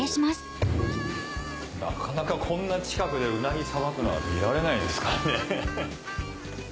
なかなかこんな近くでうなぎさばくのは見られないですからね。